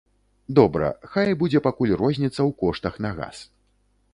Добра, хай будзе пакуль розніца ў коштах на газ.